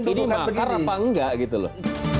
ini makar apa enggak gitu loh